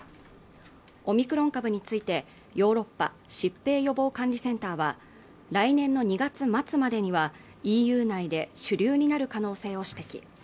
オミクロン株についてヨーロッパ疾病予防管理センターは来年の２月末までにはＥＵ内で主流になる可能性を指摘